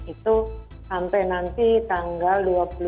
itu sampai nanti tanggal dua puluh